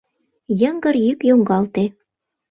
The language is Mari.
Йыҥгыр йӱк йоҥгалте.